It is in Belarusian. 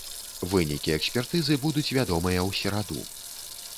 Вынікі экспертызы будуць вядомыя ў сераду.